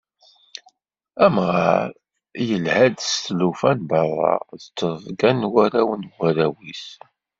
Amɣar, yelha-d s tlufa n berra d trebga n warraw n warraw-is.